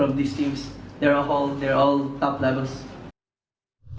dan dari tim ini mereka semua berada di atas tingkat tertinggi